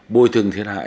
bồi thừng thiệt hại